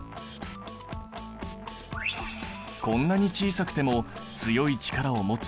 こんなに小さくても強い力を持つ